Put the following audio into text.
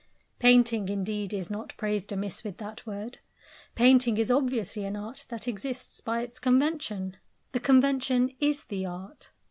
Painting, indeed, is not praised amiss with that word; painting is obviously an art that exists by its convention the convention is the art.